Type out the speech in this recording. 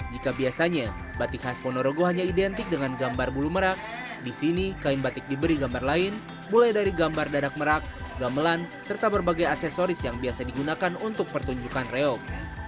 jika biasanya batik khas ponorogo hanya identik dengan gambar bulu merak disini kain batik diberi gambar lain mulai dari gambar dadak merak gamelan serta berbagai aksesoris yang biasa digunakan untuk pertunjukan reok